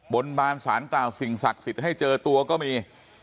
บนบานสารกล่าวสิ่งศักดิ์สิทธิ์ให้เจอตัวก็มี